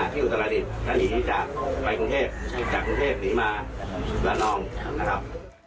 ที่อุตสนาดินจะหนีจากไปกรุงเทพฯจากกรุงเทพฯหนีมาเบาะนองนะครับ